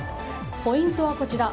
ポイントはこちら。